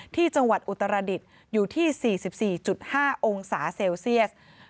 ที่จังหวัดอุตรดิษฐ์อยู่ที่๔๔๕องศาเซลเซียส